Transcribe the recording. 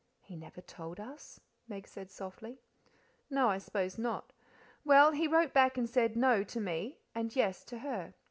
"He never told us," Meg said softly. "No, I s'pose not. Well, he wrote back and said 'no' to me and 'yes' to her.